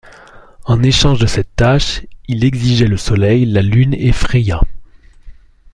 En échange de cette tâche, il exigeait le Soleil, la Lune et Freya.